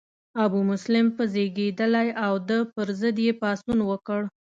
ابومسلم په زیږیدلی او د پر ضد یې پاڅون وکړ.